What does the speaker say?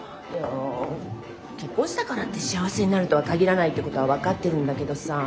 結婚したからって幸せになるとは限らないってことは分かってるんだけどさ